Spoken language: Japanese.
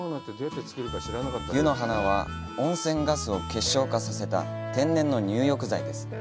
湯の花は、温泉ガスを結晶化させた天然の入浴剤です。